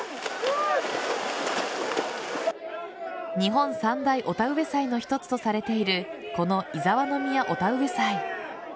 日本三大御田植祭の一つとされているこの伊雑宮御田植祭。